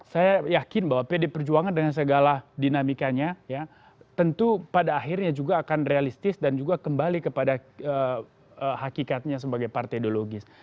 saya yakin bahwa pd perjuangan dengan segala dinamikanya tentu pada akhirnya juga akan realistis dan juga kembali kepada hakikatnya sebagai partai ideologis